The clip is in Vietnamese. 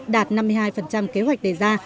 đạt năm mươi hai kế hoạch đề ra